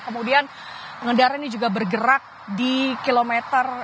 kemudian pengendara ini juga bergerak di kilometer